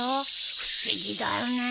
不思議だよね。